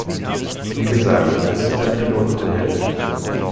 Wie gesagt, es ist ein Pilotprojekt.